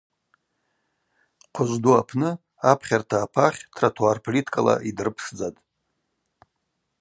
Хъвыжвду апны апхьарта апахь тротуар плиткала йдрыпшдзатӏ.